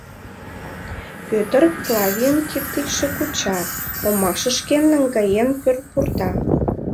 Пӧтыр Клавийым кид гычше куча, омашышке наҥгаен пурта.